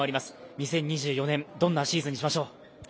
２０２４年、どんなシーズンにしましょう。